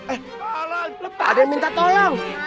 eh ada yang minta tolong